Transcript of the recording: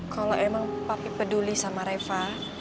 kalau emang papi peduli sama reva